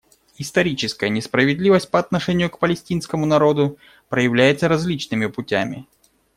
Историческая несправедливость по отношению к палестинскому народу проявляется различными путями.